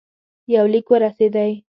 یو لیک ورسېدی.